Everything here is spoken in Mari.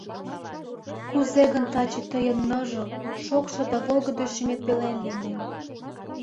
Кузе гын таче тыйын ныжыл, шокшо Да волгыдо шӱмет пелен лийнем!